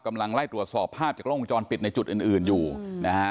กำลังไล่ตรวจสอบภาพจากกล้องวงจรปิดในจุดอื่นอื่นอยู่นะฮะ